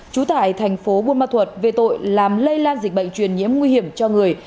trú tại thành phố buôn ma thuật về tội làm lây lan dịch bệnh truyền nhiễm nguy hiểm cho người